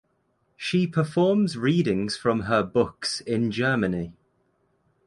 She performs readings from her books in Germany.